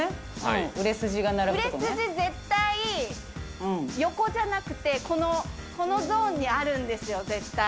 売れ筋絶対、横じゃなくてこのゾーンにあるんですよ、絶対。